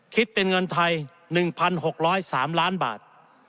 คิดเป็นเงินไทย๑๖๐๓ล้านบาท